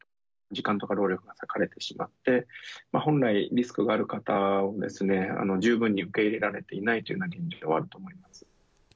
時間とか労力が割かれてしまって、本来、リスクがある方を十分に受け入れられていないというような現状はあると思います。